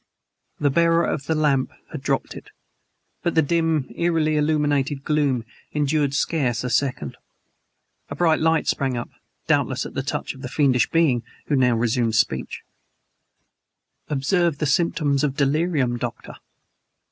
The bearer of the lamp had dropped it, but the dim, eerily illuminated gloom endured scarce a second. A bright light sprang up doubtless at the touch of the fiendish being who now resumed speech: "Observe the symptoms of delirium, Doctor!"